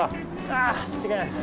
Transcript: ああ違います。